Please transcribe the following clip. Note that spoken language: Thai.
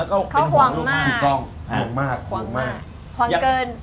เขาห่วงมากห่วงมากห่วงมากห่วงเกิน